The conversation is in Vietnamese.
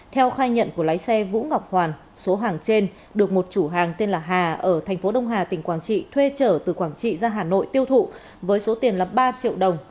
theo khai nhận của lái xe vũ ngọc hoàn số hàng trên được một chủ hàng tên là hà ở thành phố đông hà tỉnh quảng trị thuê trở từ quảng trị ra hà nội tiêu thụ với số tiền là ba triệu đồng